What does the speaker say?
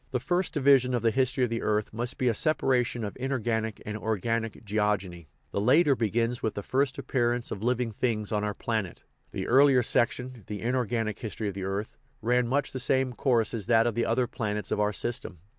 The first division of the history of the earth must be a separation of inorganic and organic geogeny; the latter begins with the first appearance of living things on our planet. The earlier section, the inor ganic history of the earth, ran much the same course as that of the other planets of our system.